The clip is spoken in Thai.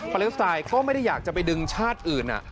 เลสไตล์ก็ไม่ได้อยากจะไปดึงชาติอื่น